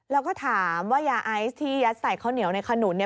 แล้วก็ถามว่ายาไอซ์ที่ยัดใส่ข้าวเหนียวในขนุนเนี่ย